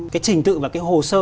cái trình tự và cái hồ sơ